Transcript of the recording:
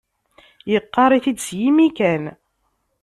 Yeqqar-it-id s yimi kan